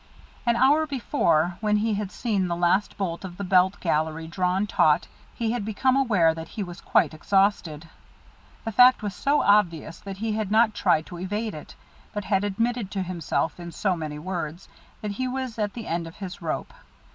An hour before, when he had seen the last bolt of the belt gallery drawn taut, he had become aware that he was quite exhausted. The fact was so obvious that he had not tried to evade it, but had admitted to himself, in so many words, that he was at the end of his rope.